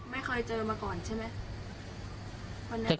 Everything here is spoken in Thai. ไม่เคยเจอมาก่อนใช่ไหม